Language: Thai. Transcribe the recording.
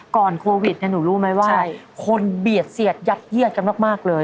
ก่อนโควิดเนี่ยรู้มั้ยว่าคนเบียดเสียดญักเบียดกันมากเลย